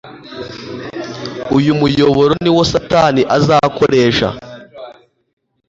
Uyu muyoboro ni wo Satani azakoresha